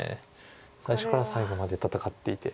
最初から最後まで戦っていて。